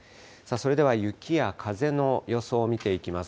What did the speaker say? それでは、雪や風の予想を見ていきます。